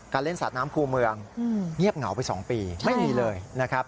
เล่นสาดน้ำคู่เมืองเงียบเหงาไป๒ปีไม่มีเลยนะครับ